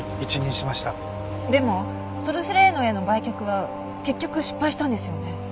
でもソル・セレーノへの売却は結局失敗したんですよね？